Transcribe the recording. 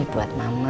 ini buat mama